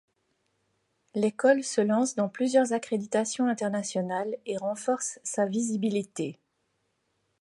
L'Ecole se lance dans plusieurs accréditations internationales et renforce sa visibilité.